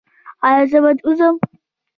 ایا زه باید ووځم؟